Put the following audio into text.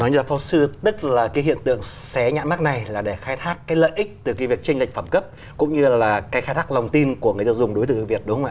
nói như là phóng sư tức là cái hiện tượng xé nhãn mát này là để khai thác cái lợi ích từ cái việc tranh lệch phẩm cấp cũng như là cái khai thác lòng tin của người tiêu dùng đối tượng việt đúng không ạ